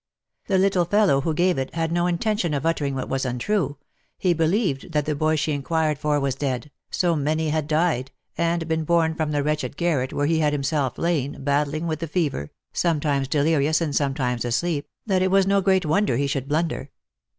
The little fellow who gave it had no intention of uttering what was untrue : he believed that the boy she inquired for was dead — so many had died, and been borne from the wretched garret where he had himself lain, battling with the fever, sometimes delirious, and sometimes asleep, that it was no great wonder he should blunder.